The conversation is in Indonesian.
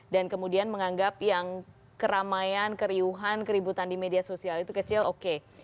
dan kemudian menganggap yang keramaian keriuhan keributan di media sosial itu kecil oke